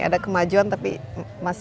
ada kemajuan tapi masih